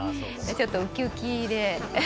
ちょっとうきうきで。